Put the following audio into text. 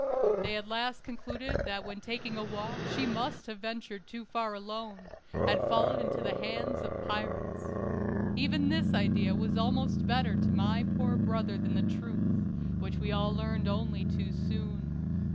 They at last concluded that when taking a walk she must have ventured too far alone, and fallen into the hands of pirates. Even this idea was almost better to my poor brother than the truth, which we all learned only too soon.